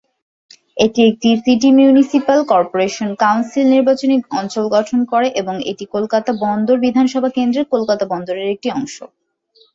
এটি একটি city municipal corporation council নির্বাচনী অঞ্চল গঠন করে এবং এটি কলকাতা বন্দর বিধানসভা কেন্দ্রর কলকাতা বন্দরের একটি অংশ।